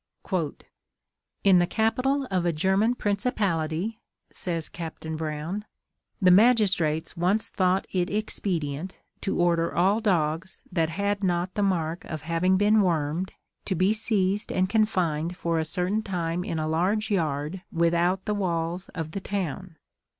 "In the capital of a German principality," says Capt. Brown, "the magistrates once thought it expedient to order all dogs that had not the mark of having been wormed, to be seized and confined for a certain time in a large yard without the walls of the town.